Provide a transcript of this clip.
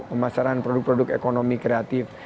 pemasaran produk produk ekonomi kreatif